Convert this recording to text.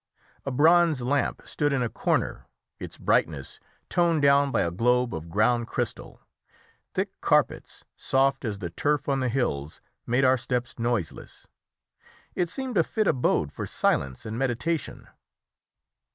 A bronze lamp stood in a corner, its brightness toned down by a globe of ground crystal; thick carpets, soft as the turf on the hills, made our steps noiseless. It seemed a fit abode for silence and meditation.